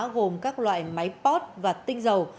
gồm các loại máy pot và tinh dầu